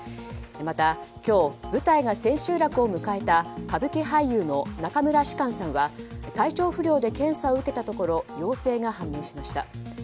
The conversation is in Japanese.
また今日、舞台が千秋楽を迎えた歌舞伎俳優の中村芝翫さんは体調不良で検査を受けたところ陽性が判明しました。